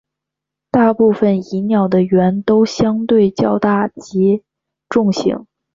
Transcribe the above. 大部份蚁鸟的喙都相对较大及重型。